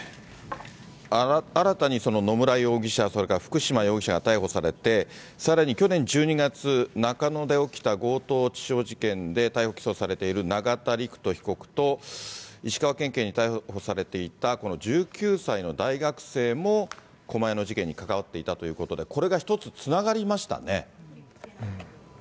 新たに野村容疑者、それから福島容疑者が逮捕されて、さらに去年１２月、中野で起きた強盗致傷事件で逮捕・起訴されている永田陸人被告と、石川県警に逮捕されていた、この１９歳の大学生も、狛江の事件に関わっていたということで、これが一つつながりましたね。